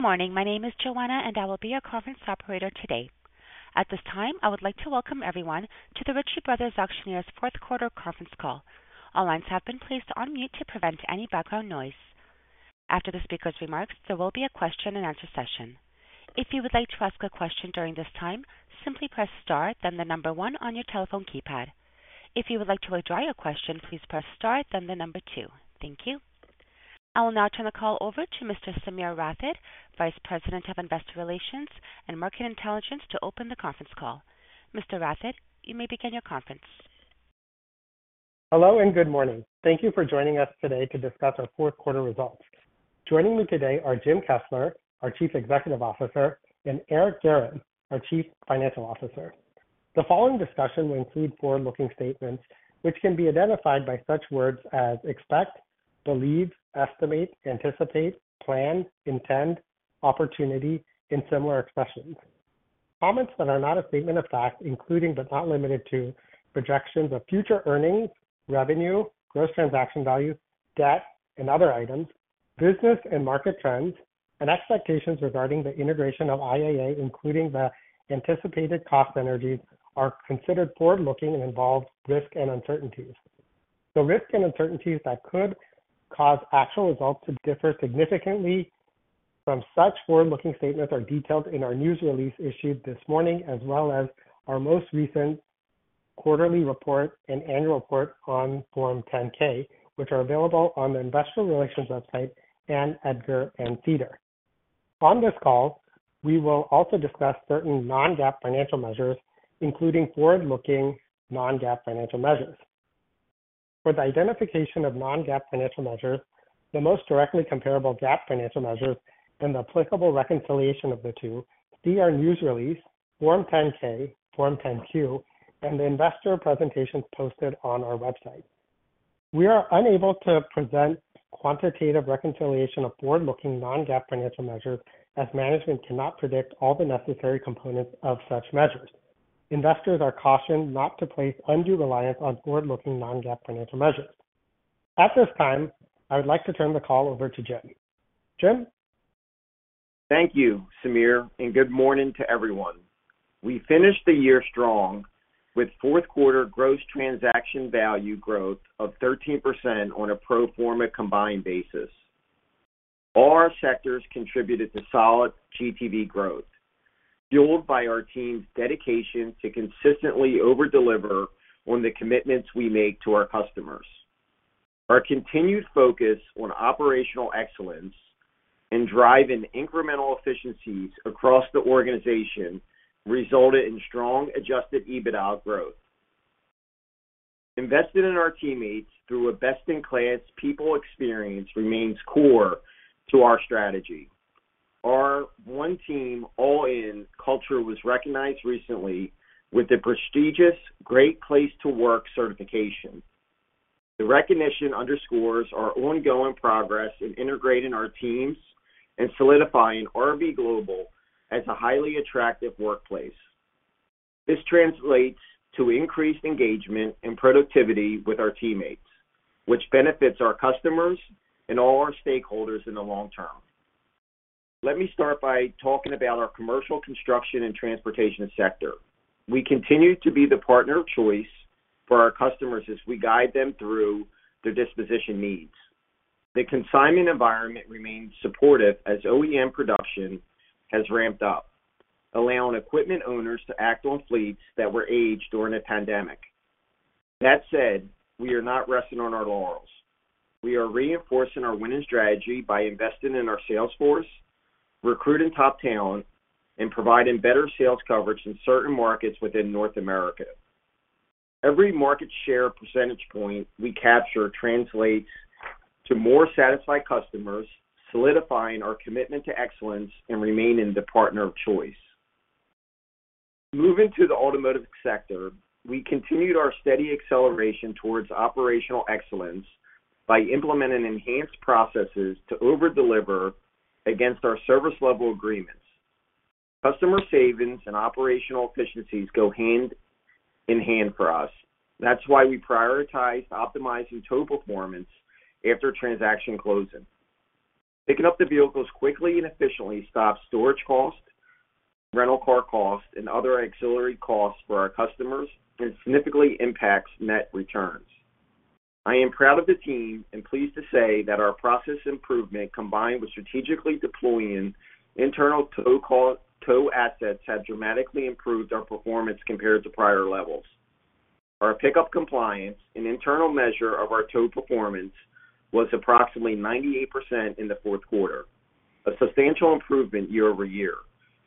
Good morning. My name is Joanna, and I will be your conference operator today. At this time, I would like to welcome everyone to the Ritchie Bros. Auctioneers' fourth-quarter conference call. All lines have been placed on mute to prevent any background noise. After the speaker's remarks, there will be a question-and-answer session. If you would like to ask a question during this time, simply press star, then the number one on your telephone keypad. If you would like to withdraw your question, please press star, then the number two. Thank you. I will now turn the call over to Mr. Sameer Rathod, Vice President of Investor Relations and Market Intelligence, to open the conference call. Mr. Rathod, you may begin your conference. Hello and good morning. Thank you for joining us today to discuss our fourth quarter results. Joining me today are Jim Kessler, our Chief Executive Officer, and Eric Guerin, our Chief Financial Officer. The following discussion will include forward-looking statements which can be identified by such words as expect, believe, estimate, anticipate, plan, intend, opportunity, and similar expressions. Comments that are not a statement of fact, including but not limited to projections of future earnings, revenue, gross transaction value, debt, and other items, business and market trends, and expectations regarding the integration of IAA, including the anticipated cost synergies, are considered forward-looking and involve risk and uncertainties. The risks and uncertainties that could cause actual results to differ significantly from such forward-looking statements are detailed in our news release issued this morning, as well as our most recent quarterly report and annual report on Form 10-K, which are available on the Investor Relations website and EDGAR and SEDAR+. On this call, we will also discuss certain non-GAAP financial measures, including forward-looking non-GAAP financial measures. For the identification of non-GAAP financial measures, the most directly comparable GAAP financial measures and the applicable reconciliation of the two, see our news release, Form 10-K, Form 10-Q, and the investor presentations posted on our website. We are unable to present quantitative reconciliation of forward-looking non-GAAP financial measures as management cannot predict all the necessary components of such measures. Investors are cautioned not to place undue reliance on forward-looking non-GAAP financial measures. At this time, I would like to turn the call over to Jim. Jim? Thank you, Sameer, and good morning to everyone. We finished the year strong with fourth-quarter gross transaction value growth of 13% on a pro forma combined basis. All our sectors contributed to solid GTV growth, fueled by our team's dedication to consistently over-deliver on the commitments we make to our customers. Our continued focus on operational excellence and driving incremental efficiencies across the organization resulted in strong adjusted EBITDA growth. Invested in our teammates through a best-in-class people experience remains core to our strategy. Our one-team, all-in culture was recognized recently with the prestigious Great Place to Work certification. The recognition underscores our ongoing progress in integrating our teams and solidifying RB Global as a highly attractive workplace. This translates to increased engagement and productivity with our teammates, which benefits our customers and all our stakeholders in the long term. Let me start by talking about our commercial construction and transportation sector. We continue to be the partner of choice for our customers as we guide them through their disposition needs. The consignment environment remains supportive as OEM production has ramped up, allowing equipment owners to act on fleets that were aged during a pandemic. That said, we are not resting on our laurels. We are reinforcing our winning strategy by investing in our sales force, recruiting top talent, and providing better sales coverage in certain markets within North America. Every market share percentage point we capture translates to more satisfied customers, solidifying our commitment to excellence and remaining the partner of choice. Moving to the automotive sector, we continued our steady acceleration towards operational excellence by implementing enhanced processes to over-deliver against our service level agreements. Customer savings and operational efficiencies go hand in hand for us. That's why we prioritized optimizing total performance after transaction closing. Picking up the vehicles quickly and efficiently stops storage cost, rental car cost, and other auxiliary costs for our customers and significantly impacts net returns. I am proud of the team and pleased to say that our process improvement combined with strategically deploying internal tow assets have dramatically improved our performance compared to prior levels. Our pickup compliance, an internal measure of our tow performance, was approximately 98% in the fourth quarter, a substantial improvement year-over-year.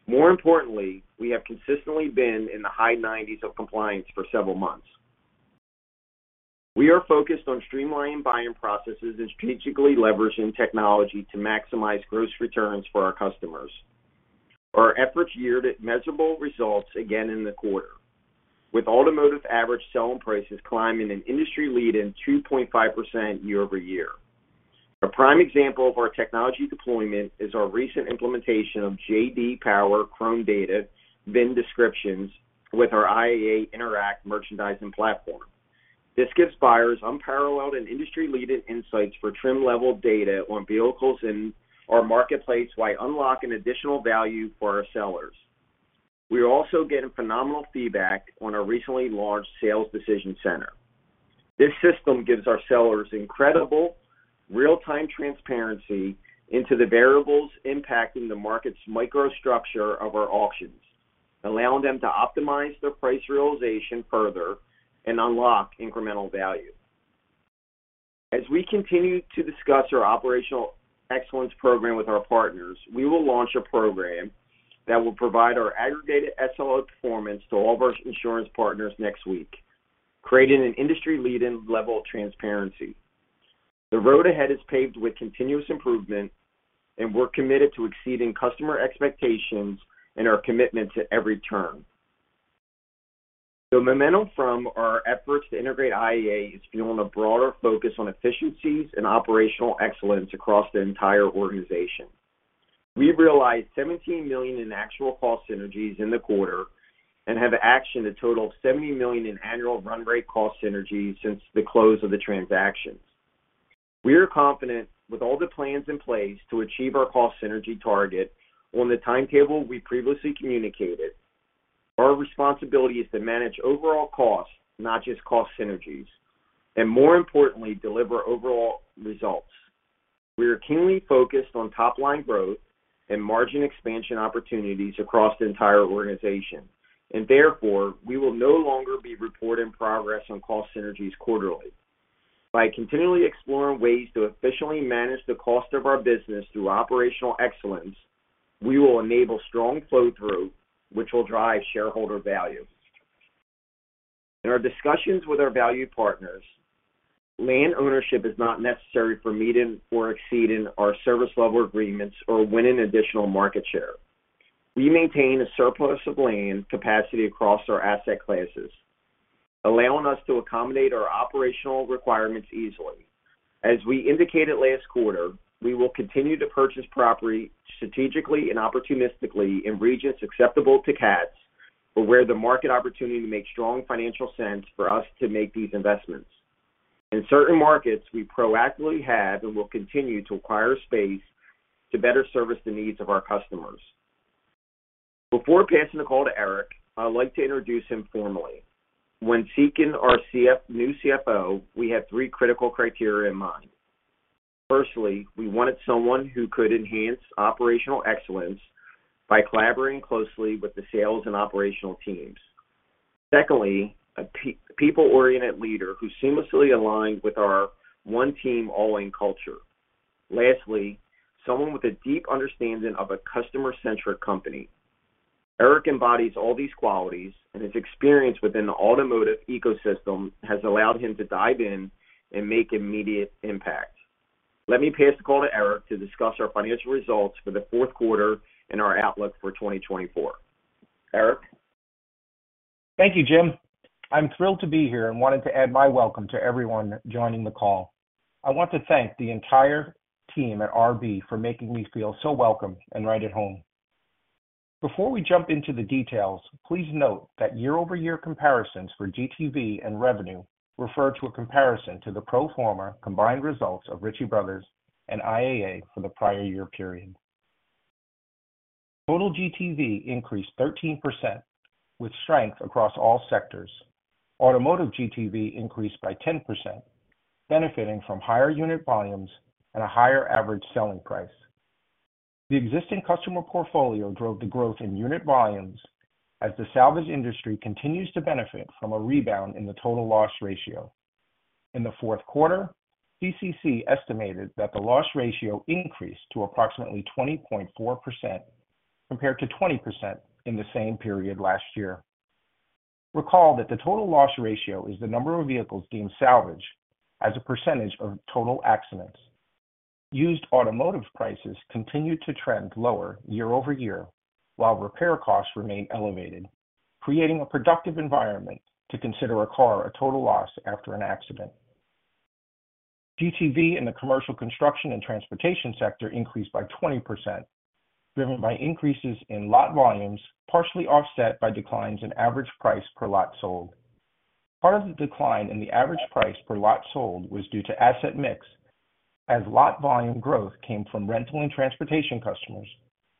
More importantly, we have consistently been in the high 90s of compliance for several months. We are focused on streamlining buying processes and strategically leveraging technology to maximize gross returns for our customers. Our efforts yielded measurable results again in the quarter, with automotive average selling prices climbing an industry-leading 2.5% year-over-year. A prime example of our technology deployment is our recent implementation of J.D. Power ChromeData VIN descriptions with our IAA Interact merchandising platform. This gives buyers unparalleled and industry-leading insights for trim-level data on vehicles in our marketplace while unlocking additional value for our sellers. We are also getting phenomenal feedback on our recently launched Sales Decision Center. This system gives our sellers incredible real-time transparency into the variables impacting the market's microstructure of our auctions, allowing them to optimize their price realization further and unlock incremental value. As we continue to discuss our operational excellence program with our partners, we will launch a program that will provide our aggregated SLA performance to all of our insurance partners next week, creating an industry-leading level of transparency. The road ahead is paved with continuous improvement, and we're committed to exceeding customer expectations and our commitment to every turn. The momentum from our efforts to integrate IAA is fueling a broader focus on efficiencies and operational excellence across the entire organization. We realized $17 million in actual cost synergies in the quarter and have actioned a total of $70 million in annual run rate cost synergies since the close of the transactions. We are confident with all the plans in place to achieve our cost synergy target on the timetable we previously communicated. Our responsibility is to manage overall costs, not just cost synergies, and more importantly, deliver overall results. We are keenly focused on top-line growth and margin expansion opportunities across the entire organization, and therefore, we will no longer be reporting progress on cost synergies quarterly. By continually exploring ways to efficiently manage the cost of our business through operational excellence, we will enable strong flow-through, which will drive shareholder value. In our discussions with our value partners, land ownership is not necessary for meeting or exceeding our service level agreements or winning additional market share. We maintain a surplus of land capacity across our asset classes, allowing us to accommodate our operational requirements easily. As we indicated last quarter, we will continue to purchase property strategically and opportunistically in regions acceptable to CATs or where the market opportunity makes strong financial sense for us to make these investments. In certain markets, we proactively have and will continue to acquire space to better service the needs of our customers. Before passing the call to Eric, I'd like to introduce him formally. When seeking our new CFO, we had three critical criteria in mind. Firstly, we wanted someone who could enhance operational excellence by collaborating closely with the sales and operational teams. Secondly, a people-oriented leader who seamlessly aligned with our one-team, all-in culture. Lastly, someone with a deep understanding of a customer-centric company. Eric embodies all these qualities, and his experience within the automotive ecosystem has allowed him to dive in and make immediate impact. Let me pass the call to Eric to discuss our financial results for the fourth quarter and our outlook for 2024. Eric? Thank you, Jim. I'm thrilled to be here and wanted to add my welcome to everyone joining the call. I want to thank the entire team at RB for making me feel so welcome and right at home. Before we jump into the details, please note that year-over-year comparisons for GTV and revenue refer to a comparison to the pro forma combined results of Ritchie Brothers and IAA for the prior year period. Total GTV increased 13% with strength across all sectors. Automotive GTV increased by 10%, benefiting from higher unit volumes and a higher average selling price. The existing customer portfolio drove the growth in unit volumes as the salvage industry continues to benefit from a rebound in the total loss ratio. In the fourth quarter, CCC estimated that the loss ratio increased to approximately 20.4% compared to 20% in the same period last year. Recall that the total loss ratio is the number of vehicles deemed salvage as a percentage of total accidents. Used automotive prices continued to trend lower year-over-year while repair costs remained elevated, creating a productive environment to consider a car a total loss after an accident. GTV in the commercial construction and transportation sector increased by 20%, driven by increases in lot volumes partially offset by declines in average price per lot sold. Part of the decline in the average price per lot sold was due to asset mix, as lot volume growth came from rental and transportation customers,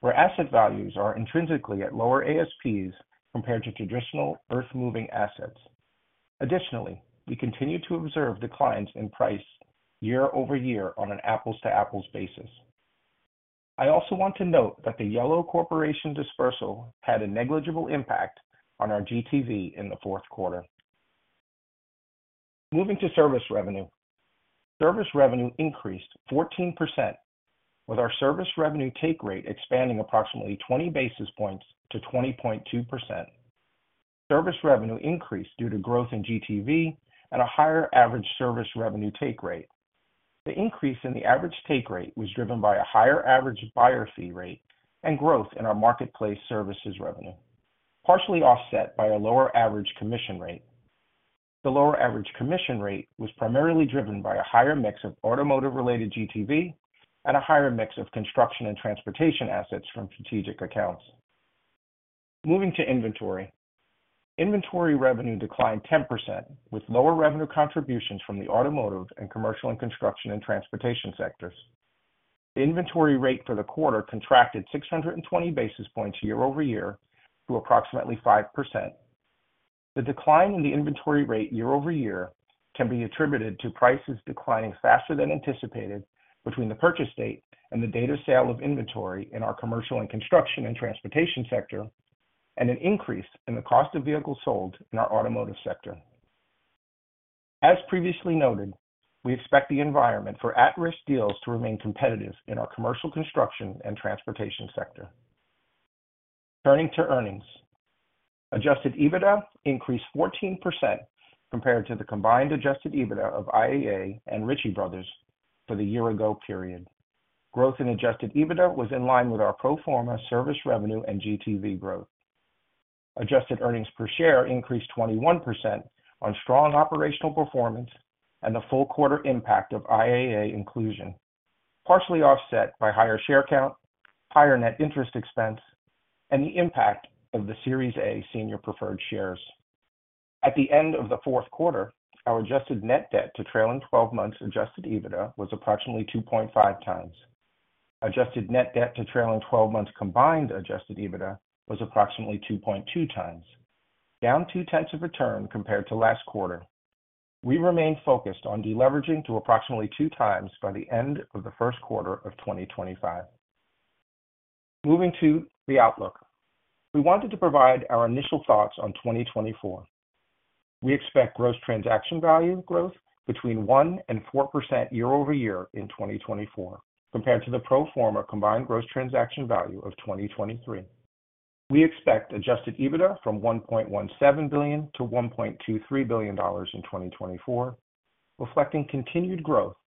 where asset values are intrinsically at lower ASPs compared to traditional earth-moving assets. Additionally, we continue to observe declines in price year-over-year on an apples-to-apples basis. I also want to note that the Yellow Corporation dispersal had a negligible impact on our GTV in the fourth quarter. Moving to service revenue, service revenue increased 14%, with our service revenue take rate expanding approximately 20 basis points to 20.2%. Service revenue increased due to growth in GTV and a higher average service revenue take rate. The increase in the average take rate was driven by a higher average buyer fee rate and growth in our marketplace services revenue, partially offset by a lower average commission rate. The lower average commission rate was primarily driven by a higher mix of automotive-related GTV and a higher mix of construction and transportation assets from strategic accounts. Moving to inventory, inventory revenue declined 10% with lower revenue contributions from the automotive and commercial and construction and transportation sectors. The inventory rate for the quarter contracted 620 basis points year-over-year to approximately 5%. The decline in the inventory rate year-over-year can be attributed to prices declining faster than anticipated between the purchase date and the date of sale of inventory in our commercial and construction and transportation sector, and an increase in the cost of vehicles sold in our automotive sector. As previously noted, we expect the environment for at-risk deals to remain competitive in our commercial construction and transportation sector. Turning to earnings, adjusted EBITDA increased 14% compared to the combined adjusted EBITDA of IAA and Ritchie Brothers for the year ago period. Growth in adjusted EBITDA was in line with our pro forma service revenue and GTV growth. Adjusted earnings per share increased 21% on strong operational performance and the full quarter impact of IAA inclusion, partially offset by higher share count, higher net interest expense, and the impact of the Series A Senior Preferred Shares. At the end of the fourth quarter, our adjusted net debt to trailing 12 months adjusted EBITDA was approximately 2.5 times. Adjusted net debt to trailing 12 months combined adjusted EBITDA was approximately 2.2 times, down 0.2 of return compared to last quarter. We remain focused on deleveraging to approximately 2 times by the end of the first quarter of 2025. Moving to the outlook, we wanted to provide our initial thoughts on 2024. We expect gross transaction value growth between 1% and 4% year-over-year in 2024 compared to the pro forma combined gross transaction value of 2023. We expect adjusted EBITDA from $1.17-$1.23 billion in 2024, reflecting continued growth,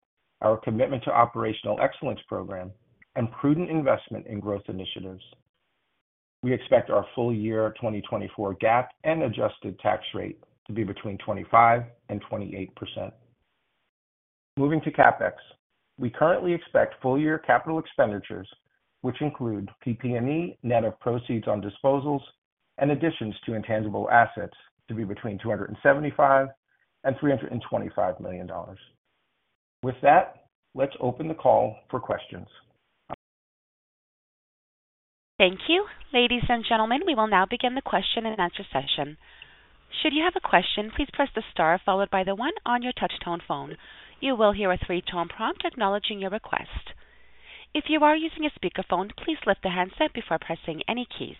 our commitment to operational excellence program, and prudent investment in growth initiatives. We expect our full year 2024 GAAP and adjusted tax rate to be between 25% and 28%. Moving to CapEx, we currently expect full-year capital expenditures, which include PP&E, net of proceeds on disposals, and additions to intangible assets to be between $275-$325 million. With that, let's open the call for questions. Thank you. Ladies and gentlemen, we will now begin the question and answer session. Should you have a question, please press the star followed by the 1 on your touchtone phone. You will hear a three-tone prompt acknowledging your request. If you are using a speakerphone, please lift the handset before pressing any keys.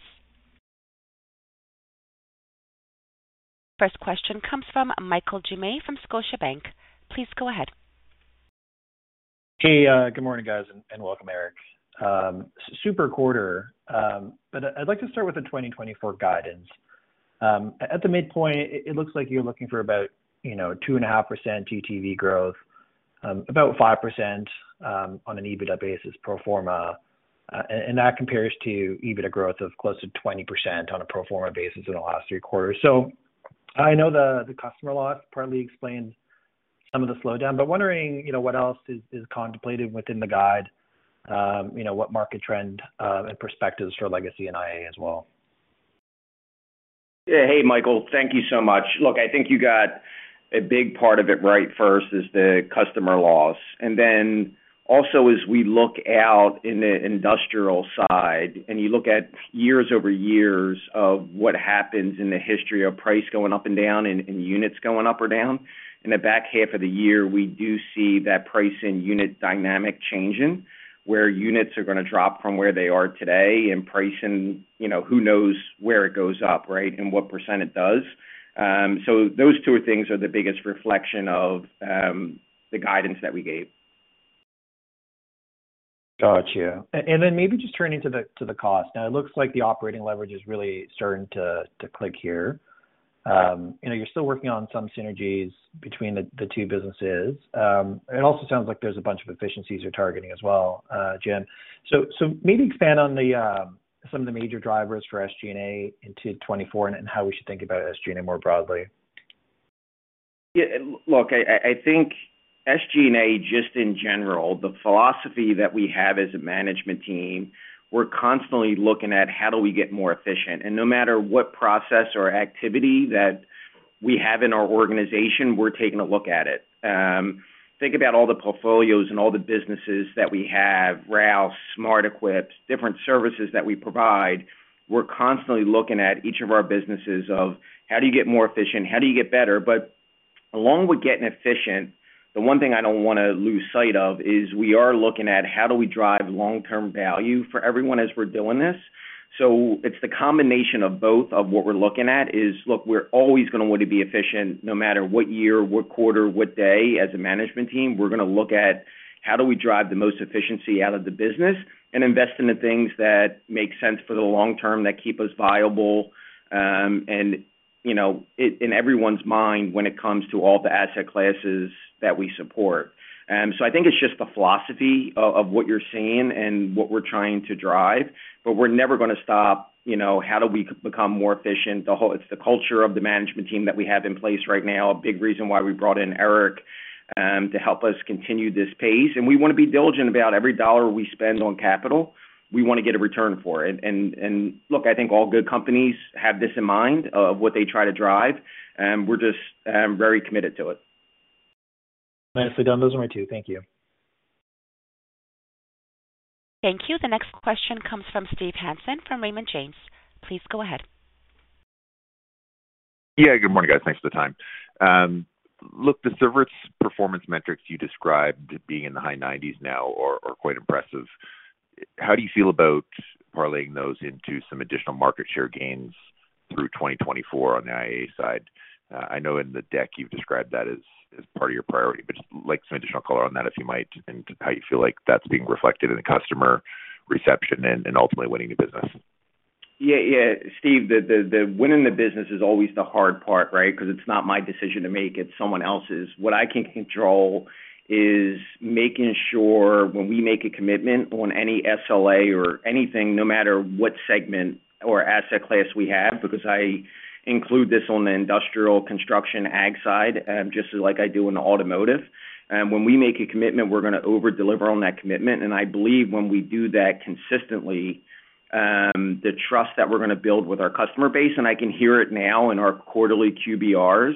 First question comes from Michael Doumet from Scotiabank. Please go ahead. Hey, good morning, guys, and welcome, Eric. Super quarter, but I'd like to start with the 2024 guidance. At the midpoint, it looks like you're looking for about 2.5% GTV growth, about 5% on an EBITDA basis, pro forma, and that compares to EBITDA growth of close to 20% on a pro forma basis in the last three quarters. So I know the customer loss partly explains some of the slowdown, but wondering what else is contemplated within the guide, what market trend and perspectives for legacy and IAA as well? Yeah. Hey, Michael. Thank you so much. Look, I think you got a big part of it right. First is the customer loss. And then also, as we look out in the industrial side and you look at years over years of what happens in the history of price going up and down and units going up or down, in the back half of the year, we do see that price and unit dynamic changing where units are going to drop from where they are today and price and who knows where it goes up, right, and what percent it does. So those two things are the biggest reflection of the guidance that we gave. Gotcha. And then maybe just turning to the cost. Now, it looks like the operating leverage is really starting to click here. You're still working on some synergies between the two businesses. It also sounds like there's a bunch of efficiencies you're targeting as well, Jim. So maybe expand on some of the major drivers for SG&A into 2024 and how we should think about SG&A more broadly. Yeah. Look, I think SG&A just in general, the philosophy that we have as a management team, we're constantly looking at how do we get more efficient. And no matter what process or activity that we have in our organization, we're taking a look at it. Think about all the portfolios and all the businesses that we have, Rouse Services, SmartEquip, different services that we provide. We're constantly looking at each of our businesses of how do you get more efficient? How do you get better? But along with getting efficient, the one thing I don't want to lose sight of is we are looking at how do we drive long-term value for everyone as we're doing this. So it's the combination of both of what we're looking at is, look, we're always going to want to be efficient no matter what year, what quarter, what day as a management team. We're going to look at how do we drive the most efficiency out of the business and invest in the things that make sense for the long term, that keep us viable in everyone's mind when it comes to all the asset classes that we support. So I think it's just the philosophy of what you're seeing and what we're trying to drive, but we're never going to stop how do we become more efficient. It's the culture of the management team that we have in place right now, a big reason why we brought in Eric to help us continue this pace. And we want to be diligent about every dollar we spend on capital. We want to get a return for it. And look, I think all good companies have this in mind of what they try to drive. We're just very committed to it. Nicely done. Those are my two. Thank you. Thank you. The next question comes from Steven Hansen from Raymond James. Please go ahead. Yeah. Good morning, guys. Thanks for the time. Look, the service performance metrics you described being in the high 90s now are quite impressive. How do you feel about parlaying those into some additional market share gains through 2024 on the IAA side? I know in the deck, you've described that as part of your priority, but just like some additional color on that if you might and how you feel like that's being reflected in the customer reception and ultimately winning the business? Yeah. Yeah. Steve, the winning the business is always the hard part, right, because it's not my decision to make. It's someone else's. What I can control is making sure when we make a commitment on any SLA or anything, no matter what segment or asset class we have because I include this on the industrial construction ag side just like I do in the automotive. When we make a commitment, we're going to overdeliver on that commitment. And I believe when we do that consistently, the trust that we're going to build with our customer base and I can hear it now in our quarterly QBRs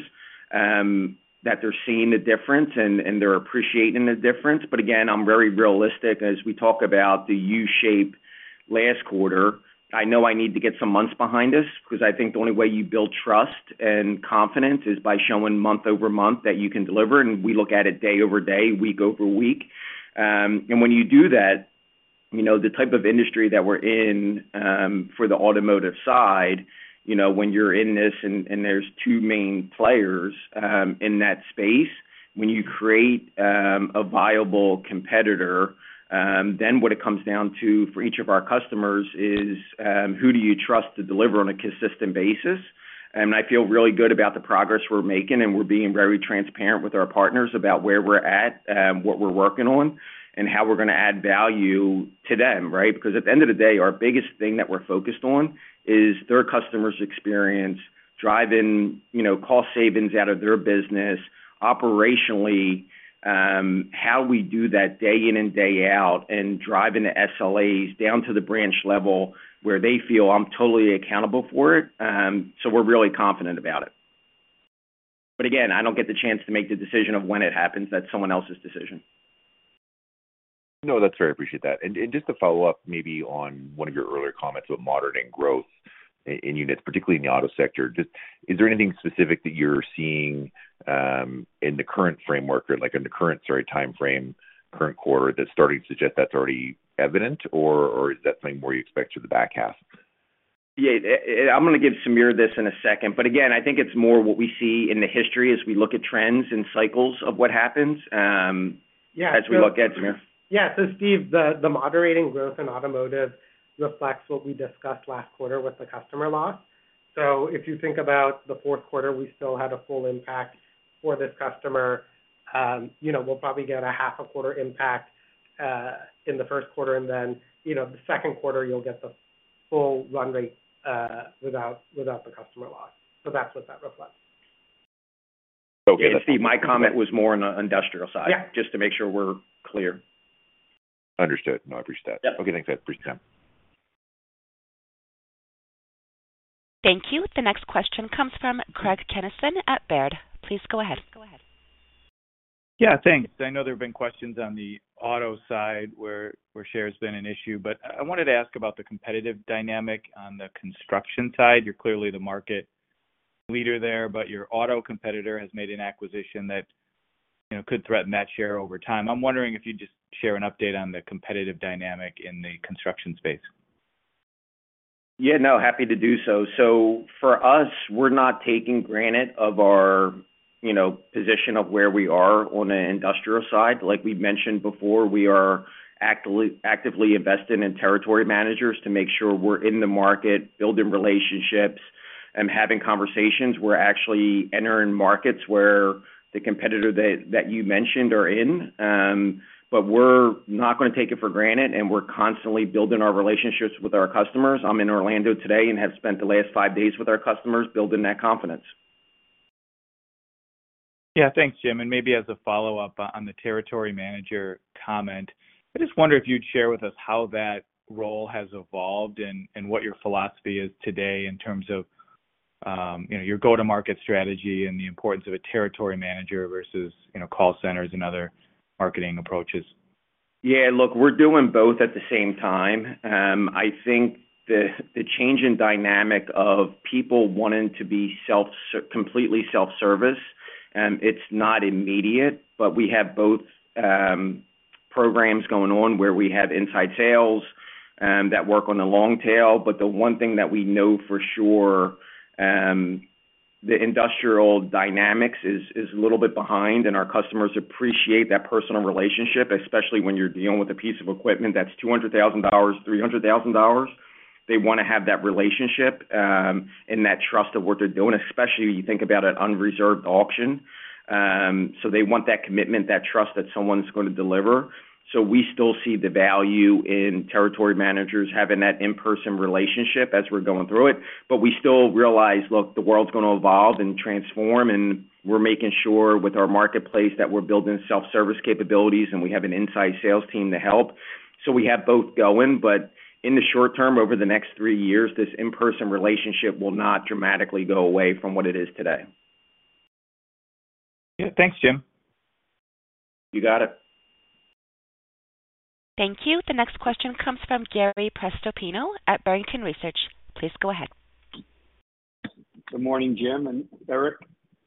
that they're seeing the difference and they're appreciating the difference. But again, I'm very realistic. As we talk about the U-shape last quarter, I know I need to get some months behind us because I think the only way you build trust and confidence is by showing month-over-month that you can deliver. And we look at it day-over-day, week-over-week. And when you do that, the type of industry that we're in for the automotive side, when you're in this and there's two main players in that space, when you create a viable competitor, then what it comes down to for each of our customers is who do you trust to deliver on a consistent basis? And I feel really good about the progress we're making, and we're being very transparent with our partners about where we're at, what we're working on, and how we're going to add value to them, right? Because at the end of the day, our biggest thing that we're focused on is their customer's experience, driving cost savings out of their business, operationally, how we do that day in and day out, and driving the SLAs down to the branch level where they feel I'm totally accountable for it. So we're really confident about it. But again, I don't get the chance to make the decision of when it happens. That's someone else's decision. No, that's very appreciated. Just to follow up maybe on one of your earlier comments about monitoring growth in units, particularly in the auto sector, is there anything specific that you're seeing in the current framework or in the current, sorry, timeframe, current quarter that's starting to suggest that's already evident, or is that something more you expect for the back half? Yeah. I'm going to give Sameer this in a second. But again, I think it's more what we see in the history as we look at trends and cycles of what happens as we look at Sameer. Yeah. So Steve, the moderating growth in automotive reflects what we discussed last quarter with the customer loss. So if you think about the fourth quarter, we still had a full impact for this customer. We'll probably get a half a quarter impact in the first quarter, and then the second quarter, you'll get the full run rate without the customer loss. So that's what that reflects. Okay. Steve, my comment was more on the industrial side just to make sure we're clear. Understood. No, I appreciate that. Okay. Thanks, guys. Appreciate the time. Thank you. The next question comes from Craig Kennison at Baird. Please go ahead. Yeah. Thanks. I know there have been questions on the auto side where share has been an issue, but I wanted to ask about the competitive dynamic on the construction side. You're clearly the market leader there, but your auto competitor has made an acquisition that could threaten that share over time. I'm wondering if you'd just share an update on the competitive dynamic in the construction space? Yeah. No, happy to do so. So for us, we're not taking for granted our position of where we are on the industrial side. Like we've mentioned before, we are actively investing in territory managers to make sure we're in the market, building relationships, and having conversations. We're actually entering markets where the competitor that you mentioned is in. But we're not going to take it for granted, and we're constantly building our relationships with our customers. I'm in Orlando today and have spent the last five days with our customers building that confidence. Yeah. Thanks, Jim. And maybe as a follow-up on the territory manager comment, I just wonder if you'd share with us how that role has evolved and what your philosophy is today in terms of your go-to-market strategy and the importance of a territory manager versus call centers and other marketing approaches. Yeah. Look, we're doing both at the same time. I think the change in dynamic of people wanting to be completely self-service, it's not immediate, but we have both programs going on where we have inside sales that work on the long tail. But the one thing that we know for sure, the industrial dynamics is a little bit behind, and our customers appreciate that personal relationship, especially when you're dealing with a piece of equipment that's $200,000, $300,000. They want to have that relationship and that trust of what they're doing, especially when you think about an unreserved auction. So they want that commitment, that trust that someone's going to deliver. So we still see the value in territory managers having that in-person relationship as we're going through it. But we still realize, look, the world's going to evolve and transform, and we're making sure with our marketplace that we're building self-service capabilities and we have an inside sales team to help. So we have both going, but in the short term, over the next three years, this in-person relationship will not dramatically go away from what it is today. Yeah. Thanks, Jim. You got it. Thank you. The next question comes from Gary Prestopino at Barrington Research. Please go ahead. Good morning, Jim and Eric.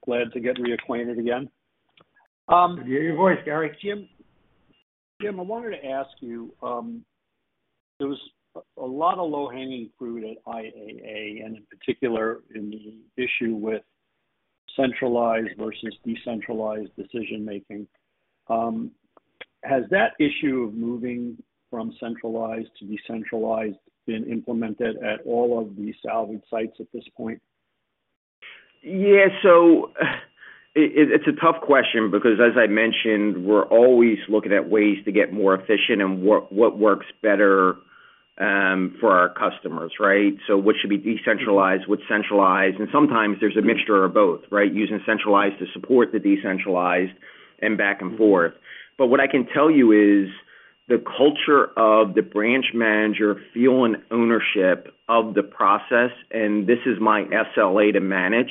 Glad to get reacquainted again. Good to hear your voice, Gary. Jim, I wanted to ask you, there was a lot of low-hanging fruit at IAA, and in particular, in the issue with centralized versus decentralized decision-making. Has that issue of moving from centralized to decentralized been implemented at all of the salvage sites at this point? Yeah. So it's a tough question because, as I mentioned, we're always looking at ways to get more efficient and what works better for our customers, right? So what should be decentralized? What's centralized? And sometimes there's a mixture of both, right, using centralized to support the decentralized and back and forth. But what I can tell you is the culture of the branch manager feeling ownership of the process, and this is my SLA to manage.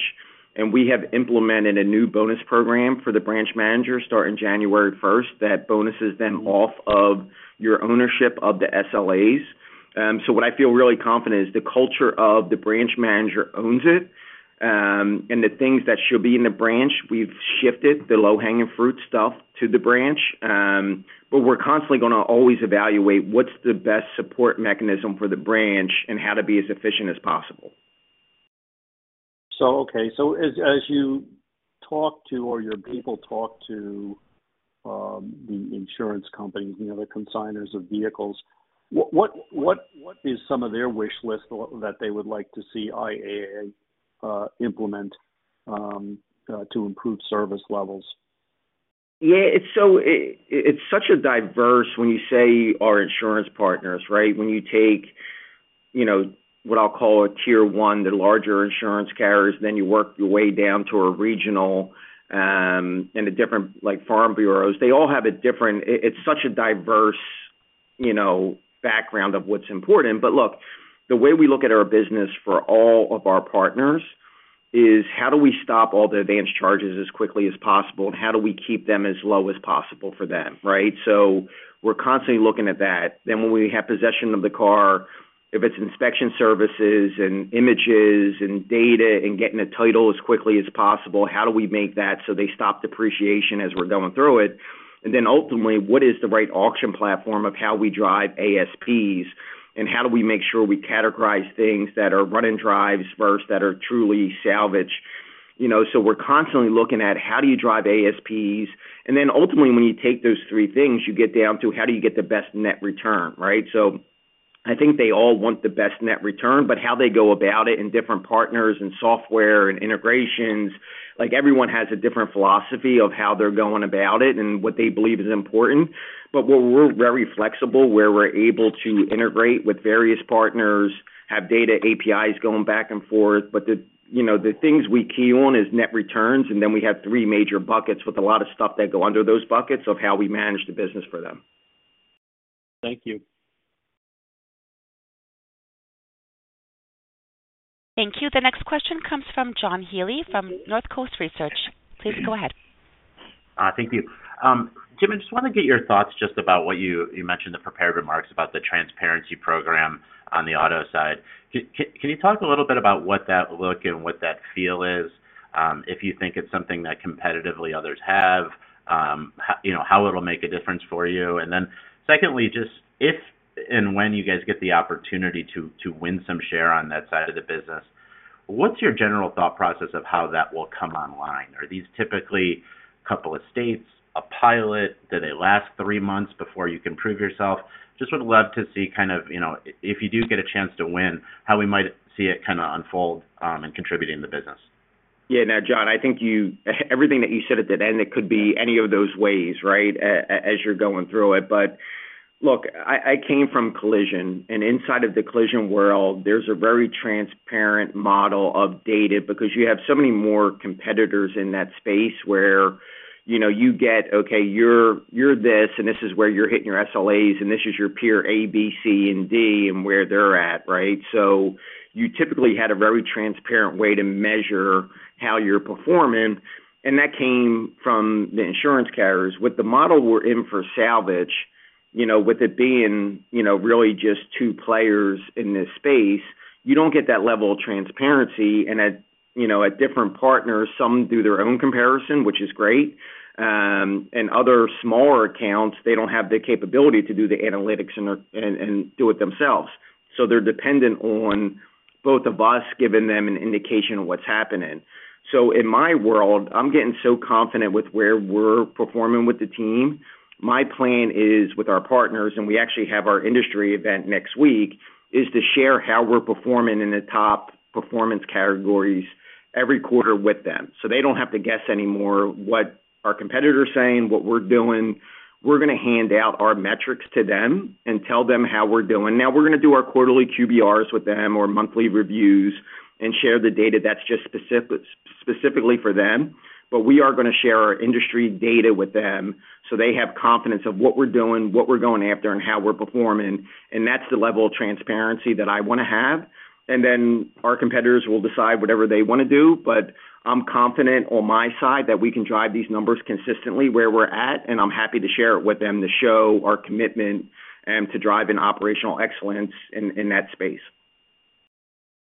And we have implemented a new bonus program for the branch manager starting January 1st that bonuses them off of your ownership of the SLAs. So what I feel really confident is the culture of the branch manager owns it. And the things that should be in the branch, we've shifted the low-hanging fruit stuff to the branch. We're constantly going to always evaluate what's the best support mechanism for the branch and how to be as efficient as possible. So, okay. So as you talk to or your people talk to the insurance companies, the consignors of vehicles, what is some of their wish list that they would like to see IAA implement to improve service levels? Yeah. So it's such a diverse when you say our insurance partners, right? When you take what I'll call a tier one, the larger insurance carriers, then you work your way down to a regional and the different farm bureaus, they all have a different it's such a diverse background of what's important. But look, the way we look at our business for all of our partners is how do we stop all the advanced charges as quickly as possible, and how do we keep them as low as possible for them, right? So we're constantly looking at that. Then when we have possession of the car, if it's inspection services and images and data and getting a title as quickly as possible, how do we make that so they stop depreciation as we're going through it? And then ultimately, what is the right auction platform of how we drive ASPs, and how do we make sure we categorize things that are run-and-drives versus that are truly salvage? So we're constantly looking at how do you drive ASPs? And then ultimately, when you take those three things, you get down to how do you get the best net return, right? So I think they all want the best net return, but how they go about it and different partners and software and integrations, everyone has a different philosophy of how they're going about it and what they believe is important. But we're very flexible where we're able to integrate with various partners, have data APIs going back and forth. The things we key on is net returns, and then we have three major buckets with a lot of stuff that go under those buckets of how we manage the business for them. Thank you. Thank you. The next question comes from John Healy from North Coast Research. Please go ahead. Thank you. Jim, I just want to get your thoughts just about what you mentioned, the prepared remarks about the transparency program on the auto side. Can you talk a little bit about what that look and what that feel is? If you think it's something that competitively others have, how it'll make a difference for you? And then secondly, just if and when you guys get the opportunity to win some share on that side of the business, what's your general thought process of how that will come online? Are these typically a couple of states, a pilot? Do they last three months before you can prove yourself? Just would love to see kind of if you do get a chance to win, how we might see it kind of unfold in contributing the business. Yeah. Now, John, I think everything that you said at the end, it could be any of those ways, right, as you're going through it. But look, I came from collision. And inside of the collision world, there's a very transparent model of data because you have so many more competitors in that space where you get, "Okay, you're this, and this is where you're hitting your SLAs, and this is your peer A, B, C, and D, and where they're at," right? So you typically had a very transparent way to measure how you're performing. And that came from the insurance carriers. With the model we're in for salvage, with it being really just two players in this space, you don't get that level of transparency. And at different partners, some do their own comparison, which is great. Other smaller accounts, they don't have the capability to do the analytics and do it themselves. So they're dependent on both of us giving them an indication of what's happening. So in my world, I'm getting so confident with where we're performing with the team. My plan is with our partners, and we actually have our industry event next week, is to share how we're performing in the top performance categories every quarter with them. So they don't have to guess anymore what our competitor's saying, what we're doing. We're going to hand out our metrics to them and tell them how we're doing. Now, we're going to do our quarterly QBRs with them or monthly reviews and share the data that's just specifically for them. But we are going to share our industry data with them so they have confidence of what we're doing, what we're going after, and how we're performing. And that's the level of transparency that I want to have. And then our competitors will decide whatever they want to do. But I'm confident on my side that we can drive these numbers consistently where we're at, and I'm happy to share it with them to show our commitment to driving operational excellence in that space.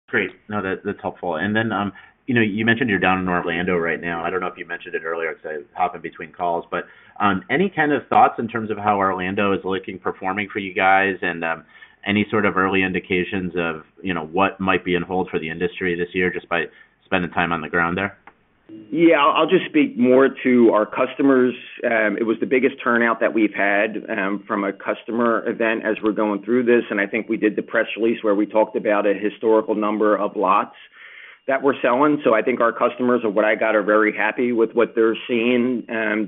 Great. No, that's helpful. And then you mentioned you're down in Orlando right now. I don't know if you mentioned it earlier because I hopped in between calls. But any kind of thoughts in terms of how Orlando is looking performing for you guys and any sort of early indications of what might be on hold for the industry this year just by spending time on the ground there? Yeah. I'll just speak more to our customers. It was the biggest turnout that we've had from a customer event as we're going through this. And I think we did the press release where we talked about a historical number of lots that we're selling. So I think our customers and what I got are very happy with what they're seeing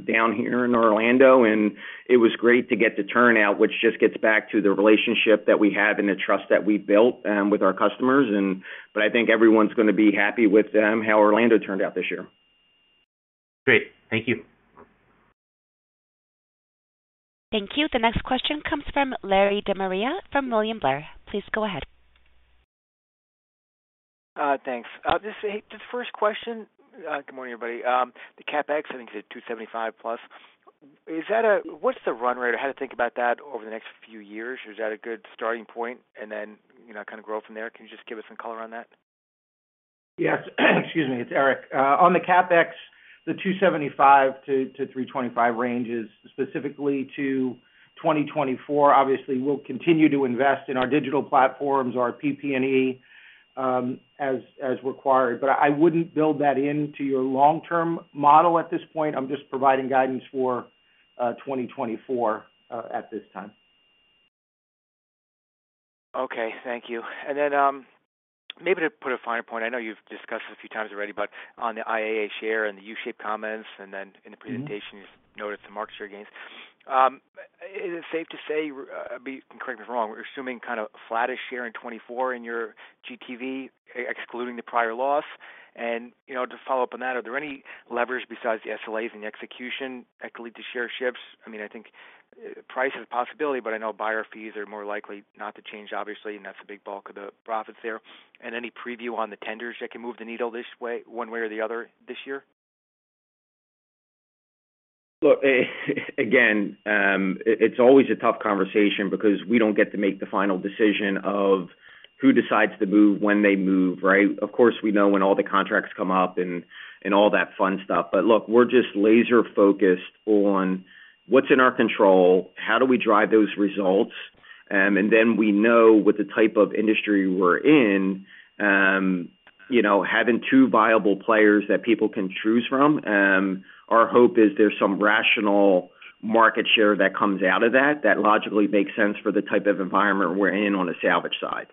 down here in Orlando. And it was great to get the turnout, which just gets back to the relationship that we have and the trust that we've built with our customers. But I think everyone's going to be happy with how Orlando turned out this year. Great. Thank you. Thank you. The next question comes from Larry De Maria from William Blair. Please go ahead. Thanks. Just the first question, good morning, everybody. The CapEx, I think it's at 275+. What's the run rate or how to think about that over the next few years? Is that a good starting point and then kind of grow from there? Can you just give us some color on that? Yes. Excuse me. It's Eric. On the CapEx, the $275-$325 range is specifically to 2024. Obviously, we'll continue to invest in our digital platforms, our PP&E as required. But I wouldn't build that into your long-term model at this point. I'm just providing guidance for 2024 at this time. Okay. Thank you. And then maybe to put a finer point, I know you've discussed this a few times already, but on the IAA share and the U-shaped comments and then in the presentation, you noted some market share gains. Is it safe to say - correct me if I'm wrong - we're assuming kind of a flattest share in 2024 in your GTV, excluding the prior loss? And to follow up on that, are there any leverage besides the SLAs and the execution that could lead to share shifts? I mean, I think price is a possibility, but I know buyer fees are more likely not to change, obviously, and that's the big bulk of the profits there. And any preview on the tenders that can move the needle one way or the other this year? Look, again, it's always a tough conversation because we don't get to make the final decision of who decides to move when they move, right? Of course, we know when all the contracts come up and all that fun stuff. But look, we're just laser-focused on what's in our control, how do we drive those results? And then we know with the type of industry we're in, having two viable players that people can choose from, our hope is there's some rational market share that comes out of that that logically makes sense for the type of environment we're in on the salvage side.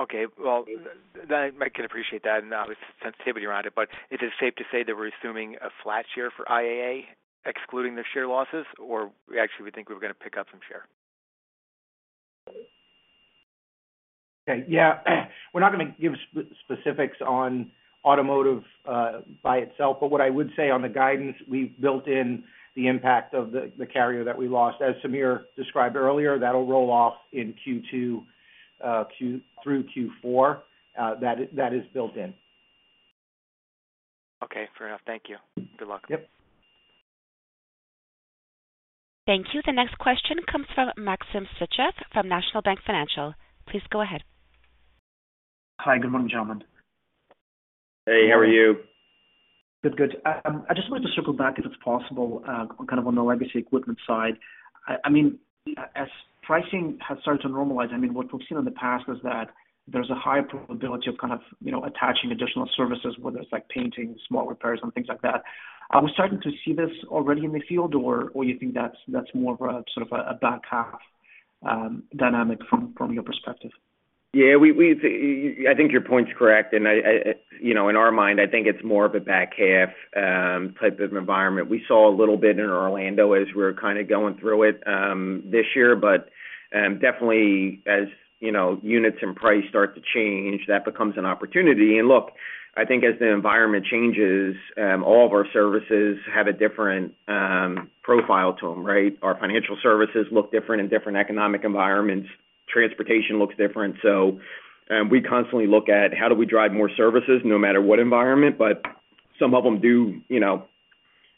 Okay. Well, I can appreciate that and obvious sensitivity around it. But is it safe to say that we're assuming a flat share for IAA, excluding their share losses, or actually, we think we're going to pick up some share? Okay. Yeah. We're not going to give specifics on automotive by itself. But what I would say on the guidance, we've built in the impact of the carrier that we lost. As Sameer described earlier, that'll roll off through Q4. That is built in. Okay. Fair enough. Thank you. Good luck. Yep. Thank you. The next question comes from Maxim Sytchev from National Bank Financial. Please go ahead. Hi. Good morning, gentlemen. Hey. How are you? Good. Good. I just wanted to circle back, if it's possible, kind of on the legacy equipment side. I mean, as pricing has started to normalize, I mean, what we've seen in the past was that there's a higher probability of kind of attaching additional services, whether it's painting, small repairs, and things like that. Are we starting to see this already in the field, or do you think that's more of a sort of a back half dynamic from your perspective? Yeah. I think your point's correct. And in our mind, I think it's more of a back half type of environment. We saw a little bit in Orlando as we were kind of going through it this year. But definitely, as units and price start to change, that becomes an opportunity. And look, I think as the environment changes, all of our services have a different profile to them, right? Our financial services look different in different economic environments. Transportation looks different. So we constantly look at how do we drive more services no matter what environment? But some of them do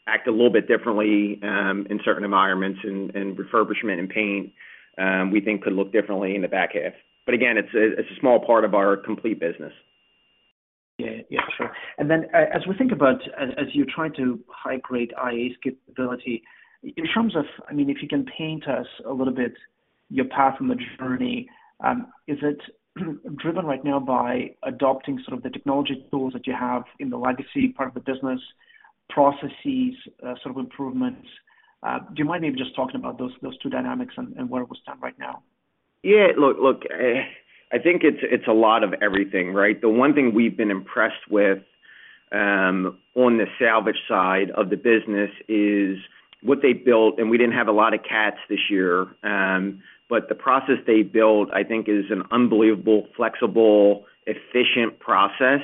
act a little bit differently in certain environments. And refurbishment and paint, we think, could look differently in the back half. But again, it's a small part of our complete business. Yeah. Yeah. Sure. And then as we think about as you're trying to hybrid IAA's capability, in terms of I mean, if you can paint us a little bit your path and the journey, is it driven right now by adopting sort of the technology tools that you have in the legacy part of the business, processes, sort of improvements? Do you mind maybe just talking about those two dynamics and where we stand right now? Yeah. Look, I think it's a lot of everything, right? The one thing we've been impressed with on the salvage side of the business is what they built. And we didn't have a lot of CATs this year. But the process they built, I think, is an unbelievable, flexible, efficient process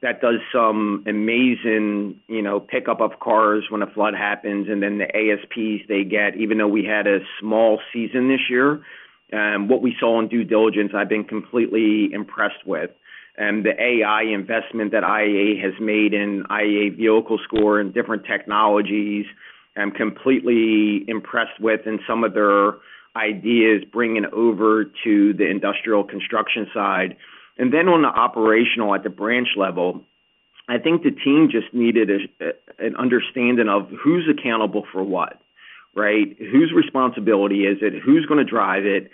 that does some amazing pickup of cars when a flood happens. And then the ASPs they get, even though we had a small season this year, what we saw in due diligence, I've been completely impressed with. The AI investment that IAA has made in IAA Vehicle Score and different technologies, I'm completely impressed with. And some of their ideas bringing over to the industrial construction side. And then on the operational at the branch level, I think the team just needed an understanding of who's accountable for what, right? Whose responsibility is it? Who's going to drive it?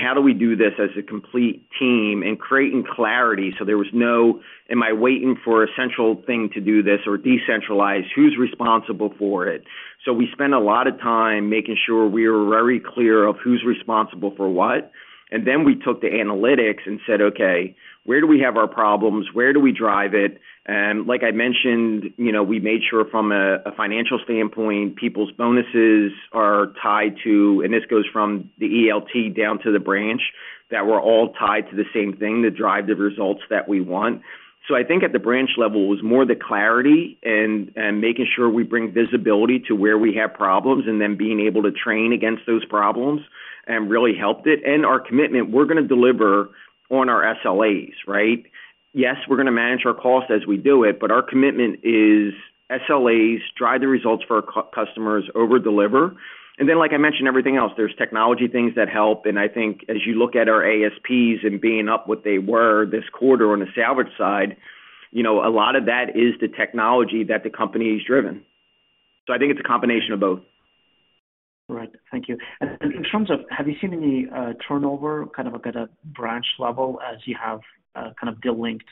How do we do this as a complete team and creating clarity so there was no, "Am I waiting for a central thing to do this or decentralized? Who's responsible for it?" So we spent a lot of time making sure we were very clear of who's responsible for what. And then we took the analytics and said, "Okay, where do we have our problems? Where do we drive it?" And like I mentioned, we made sure from a financial standpoint, people's bonuses are tied to and this goes from the ELT down to the branch that we're all tied to the same thing that drives the results that we want. So I think at the branch level, it was more the clarity and making sure we bring visibility to where we have problems and then being able to train against those problems and really helped it. Our commitment, we're going to deliver on our SLAs, right? Yes, we're going to manage our costs as we do it, but our commitment is SLAs drive the results for our customers, overdeliver. And then like I mentioned, everything else, there's technology things that help. And I think as you look at our ASPs and being up what they were this quarter on the salvage side, a lot of that is the technology that the company is driven. So I think it's a combination of both. Right. Thank you. And in terms of have you seen any turnover kind of at a branch level as you have kind of delinked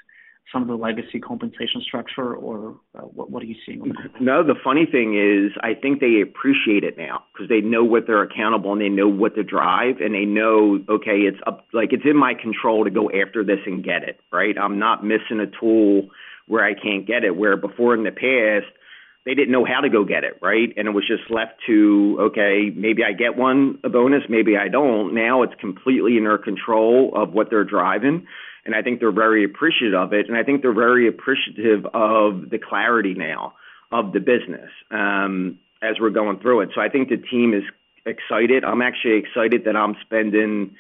some of the legacy compensation structure, or what are you seeing? No. The funny thing is I think they appreciate it now because they know what they're accountable and they know what to drive. And they know, "Okay, it's in my control to go after this and get it," right? I'm not missing a tool where I can't get it, where before in the past, they didn't know how to go get it, right? And it was just left to, "Okay, maybe I get one bonus. Maybe I don't." Now, it's completely in their control of what they're driving. And I think they're very appreciative of it. And I think they're very appreciative of the clarity now of the business as we're going through it. So I think the team is excited. I'm actually excited that I'm spending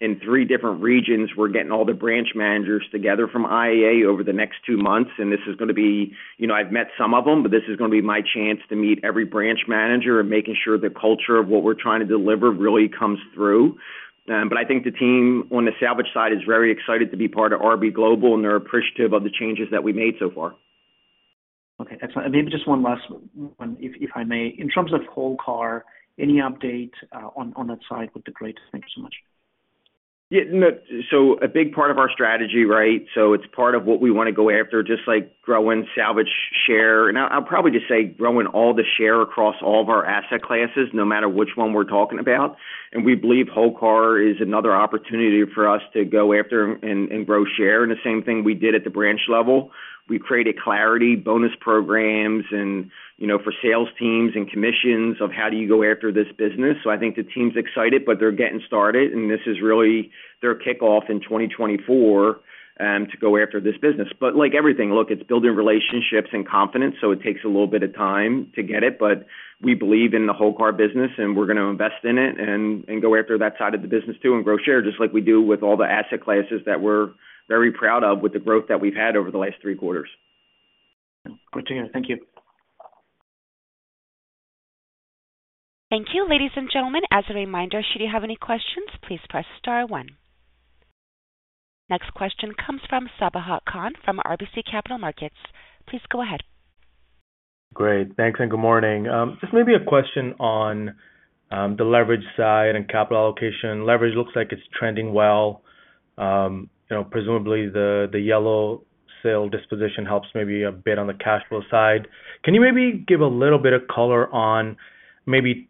in three different regions, we're getting all the branch managers together from IAA over the next two months. This is going to be. I've met some of them, but this is going to be my chance to meet every branch manager and making sure the culture of what we're trying to deliver really comes through. I think the team on the salvage side is very excited to be part of RB Global, and they're appreciative of the changes that we made so far. Okay. Excellent. And maybe just one last one, if I may. In terms of whole car, any update on that side would be great. Thank you so much. Yeah. So a big part of our strategy, right? So it's part of what we want to go after, just like growing salvage share. And I'll probably just say growing all the share across all of our asset classes no matter which one we're talking about. And we believe whole car is another opportunity for us to go after and grow share. And the same thing we did at the branch level. We created clarity, bonus programs, and for sales teams and commissions of how do you go after this business? So I think the team's excited, but they're getting started. And this is really their kickoff in 2024 to go after this business. But like everything, look, it's building relationships and confidence, so it takes a little bit of time to get it. But we believe in the whole car business, and we're going to invest in it and go after that side of the business too and grow share just like we do with all the asset classes that we're very proud of with the growth that we've had over the last three quarters. Great. Great, Sameer. Thank you. Thank you, ladies and gentlemen. As a reminder, should you have any questions, please press star one. Next question comes from Sabahat Khan from RBC Capital Markets. Please go ahead. Great. Thanks and good morning. Just maybe a question on the leverage side and capital allocation. Leverage looks like it's trending well. Presumably, the Yellow sale disposition helps maybe a bit on the cash flow side. Can you maybe give a little bit of color on maybe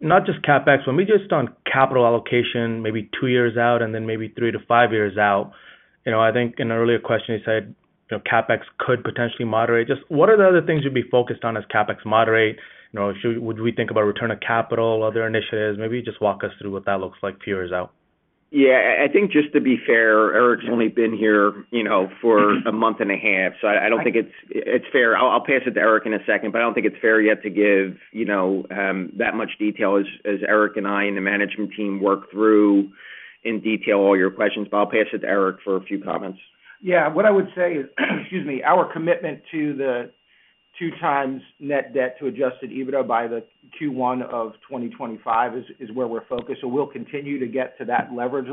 not just CapEx, but maybe just on capital allocation maybe two years out and then maybe three to five years out? I think in an earlier question, you said CapEx could potentially moderate. Just what are the other things you'd be focused on as CapEx moderate? Would we think about return of capital, other initiatives? Maybe just walk us through what that looks like few years out. Yeah. I think just to be fair, Eric's only been here for a month and a half, so I don't think it's fair. I'll pass it to Eric in a second, but I don't think it's fair yet to give that much detail as Eric and I and the management team work through in detail all your questions. But I'll pass it to Eric for a few comments. Yeah. What I would say is, excuse me, our commitment to the 2x net debt to adjusted EBITDA by Q1 of 2025 is where we're focused. So we'll continue to get to that leverage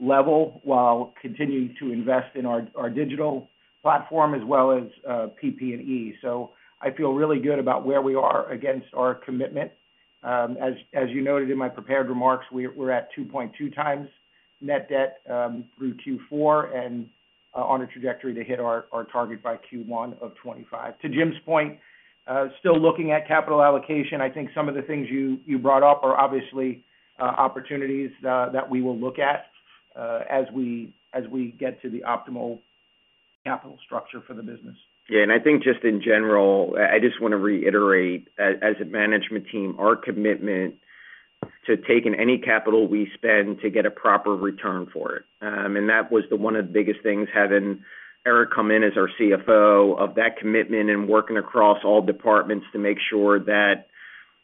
level while continuing to invest in our digital platform as well as PP&E. So I feel really good about where we are against our commitment. As you noted in my prepared remarks, we're at 2.2x net debt through Q4 and on a trajectory to hit our target by Q1 of 2025. To Jim's point, still looking at capital allocation, I think some of the things you brought up are obviously opportunities that we will look at as we get to the optimal capital structure for the business. Yeah. And I think just in general, I just want to reiterate as a management team, our commitment to taking any capital we spend to get a proper return for it. And that was one of the biggest things, having Eric come in as our CFO, of that commitment and working across all departments to make sure that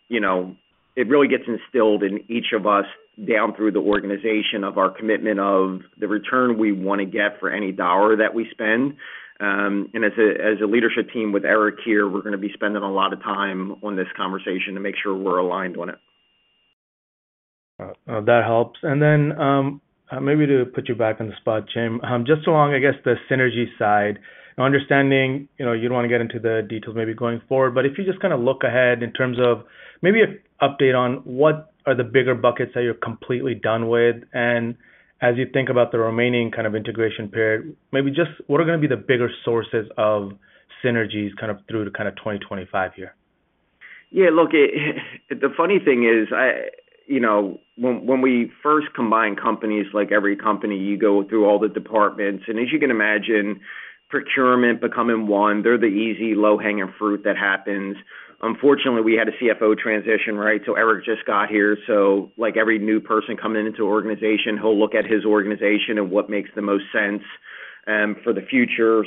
it really gets instilled in each of us down through the organization of our commitment of the return we want to get for any dollar that we spend. And as a leadership team with Eric here, we're going to be spending a lot of time on this conversation to make sure we're aligned on it. That helps. And then maybe to put you back on the spot, Jim, just along, I guess, the synergy side, understanding you don't want to get into the details maybe going forward, but if you just kind of look ahead in terms of maybe an update on what are the bigger buckets that you're completely done with? And as you think about the remaining kind of integration period, maybe just what are going to be the bigger sources of synergies kind of through to kind of 2025 here? Yeah. Look, the funny thing is when we first combine companies, like every company, you go through all the departments. And as you can imagine, procurement becoming one, they're the easy, low-hanging fruit that happens. Unfortunately, we had a CFO transition, right? So Eric just got here. So every new person coming into the organization, he'll look at his organization and what makes the most sense for the future.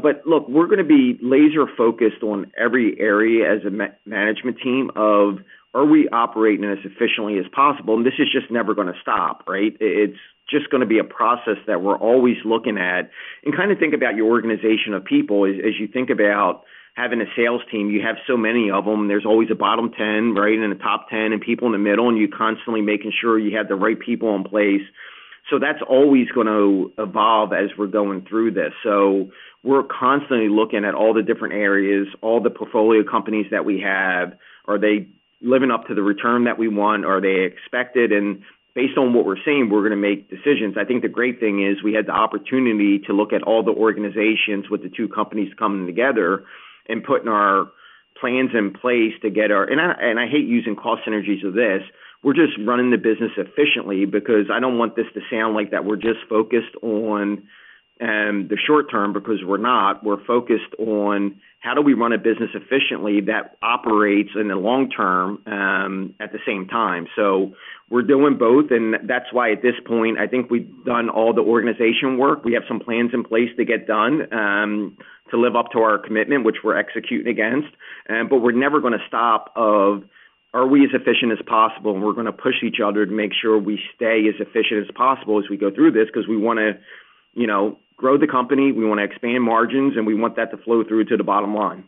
But look, we're going to be laser-focused on every area as a management team of, "Are we operating as efficiently as possible?" And this is just never going to stop, right? It's just going to be a process that we're always looking at. And kind of think about your organization of people. As you think about having a sales team, you have so many of them. There's always a bottom 10, right, and a top 10 and people in the middle, and you're constantly making sure you have the right people in place. So that's always going to evolve as we're going through this. So we're constantly looking at all the different areas, all the portfolio companies that we have. Are they living up to the return that we want? Are they expected? And based on what we're seeing, we're going to make decisions. I think the great thing is we had the opportunity to look at all the organizations with the two companies coming together and putting our plans in place to get our and I hate using cost synergies of this. We're just running the business efficiently because I don't want this to sound like that we're just focused on the short term because we're not. We're focused on how do we run a business efficiently that operates in the long term at the same time? So we're doing both. And that's why at this point, I think we've done all the organization work. We have some plans in place to get done to live up to our commitment, which we're executing against. But we're never going to stop of, "Are we as efficient as possible?" And we're going to push each other to make sure we stay as efficient as possible as we go through this because we want to grow the company. We want to expand margins, and we want that to flow through to the bottom line.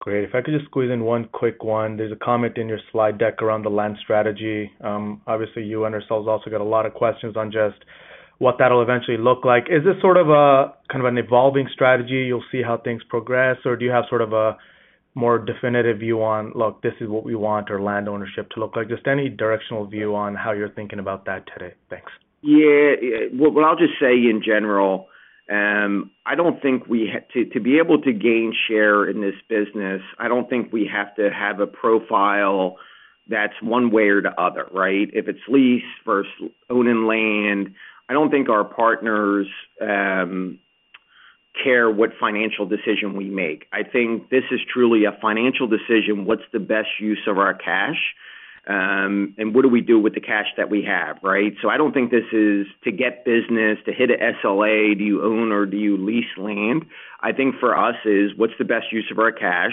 Great. If I could just squeeze in one quick one. There's a comment in your slide deck around the land strategy. Obviously, you and ourselves also got a lot of questions on just what that'll eventually look like. Is this sort of kind of an evolving strategy? You'll see how things progress, or do you have sort of a more definitive view on, "Look, this is what we want our land ownership to look like"? Just any directional view on how you're thinking about that today. Thanks. Yeah. Well, I'll just say in general, I don't think we need to be able to gain share in this business. I don't think we have to have a profile that's one way or the other, right? If it's lease versus owning land, I don't think our partners care what financial decision we make. I think this is truly a financial decision. What's the best use of our cash? And what do we do with the cash that we have, right? So I don't think this is to get business, to hit an SLA, do you own or do you lease land? I think for us is, what's the best use of our cash?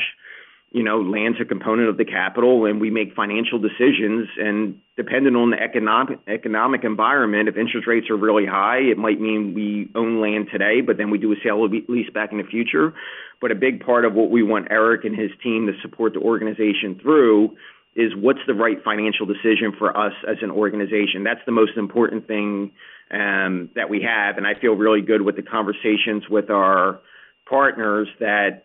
Land's a component of the capital, and we make financial decisions. Depending on the economic environment, if interest rates are really high, it might mean we own land today, but then we do a sale-leaseback in the future. But a big part of what we want Eric and his team to support the organization through is what's the right financial decision for us as an organization? That's the most important thing that we have. I feel really good with the conversations with our partners that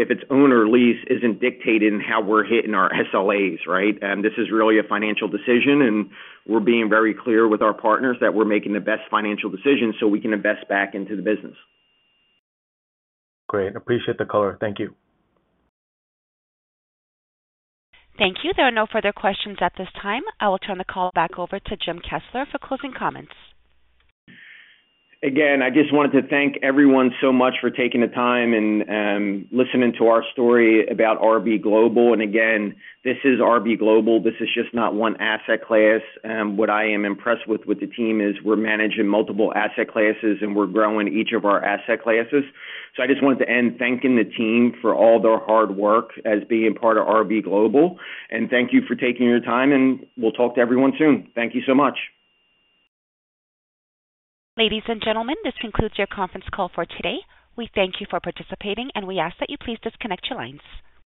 if it's own or lease isn't dictated in how we're hitting our SLAs, right? This is really a financial decision, and we're being very clear with our partners that we're making the best financial decision so we can invest back into the business. Great. Appreciate the color. Thank you. Thank you. There are no further questions at this time. I will turn the call back over to Jim Kessler for closing comments. Again, I just wanted to thank everyone so much for taking the time and listening to our story about RB Global. And again, this is RB Global. This is just not one asset class. What I am impressed with with the team is we're managing multiple asset classes, and we're growing each of our asset classes. So I just wanted to end thanking the team for all their hard work as being part of RB Global. And thank you for taking your time, and we'll talk to everyone soon. Thank you so much. Ladies and gentlemen, this concludes your conference call for today. We thank you for participating, and we ask that you please disconnect your lines.